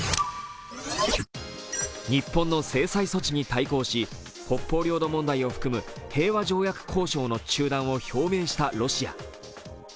日本の制裁措置に対抗し北方領土問題を含む平和条約交渉の中断を表明したロシア。